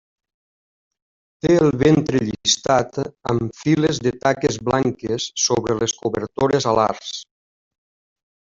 Té el ventre llistat amb files de taques blanques sobre les cobertores alars.